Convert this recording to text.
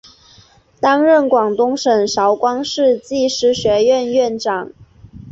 担任广东省韶关市技师学院院长。